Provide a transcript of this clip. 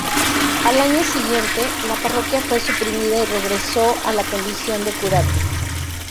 Al año siguiente, la parroquia fue suprimida y regresó a la condición de curato.